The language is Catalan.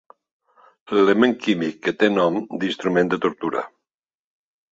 L'element químic que té nom d'instrument de tortura.